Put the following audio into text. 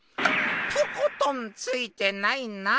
とことんついてないな。